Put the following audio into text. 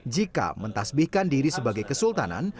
jika mentasbihkan diri sebagai kesultanan